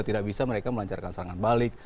tidak bisa mereka melancarkan serangan balik